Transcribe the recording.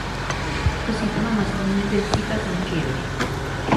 Los síntomas más comunes del zika son fiebre